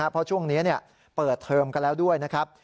เพราะช่วงนี้เปิดเทอมกันแล้วด้วยนะครับ